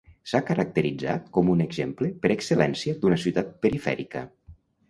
S'ha caracteritzat com un exemple per excel·lència d'una ciutat perifèrica.